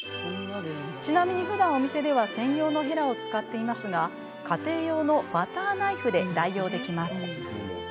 ちなみに、ふだんお店では専用のヘラを使っていますが家庭用のバターナイフで代用できます。